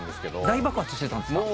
大爆発してたんすか？